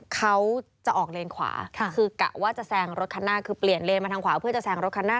เขาจะออกเลนขวาคือกะว่าจะแซงรถคันหน้าคือเปลี่ยนเลนมาทางขวาเพื่อจะแซงรถคันหน้า